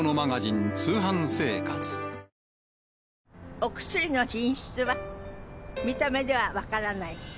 お薬の品質は見た目では分からない。